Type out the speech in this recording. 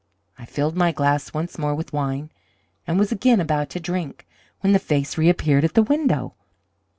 I filled my glass once more with wine, and was again about to drink, when the face reappeared at the window.